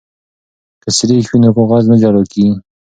که سريښ وي نو کاغذ نه جلا کیږي.